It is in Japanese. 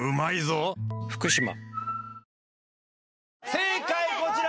正解こちら。